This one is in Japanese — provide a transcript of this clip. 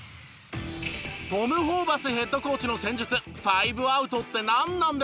トム・ホーバスヘッドコーチの戦術ファイブアウトってなんなんですか？